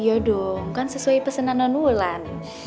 iya dong kan sesuai pesanan non wulan